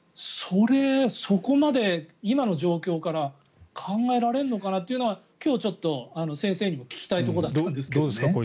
そこまで、今の状況から考えられるのかなというのは今日、ちょっと先生にも聞きたいところだったんですけどね。